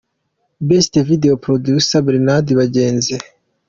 Best Video Producer : Bernard Bagenzi.